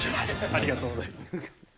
ありがとうございます。